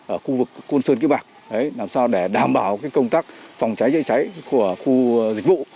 ở khu vực côn sơn kiếp bạc làm sao để đảm bảo công tác phòng cháy chữa cháy của khu dịch vụ